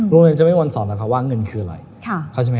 โรงเรียนจะไม่มันสอนละครับว่าเงินคืออะไร